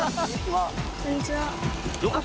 こんにちは。